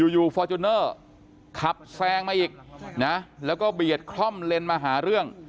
อยู่ฟอร์จูเนอร์ขับแซงมาอีกนะแล้วก็เบียดคล่อมเลนมาหาเรื่อง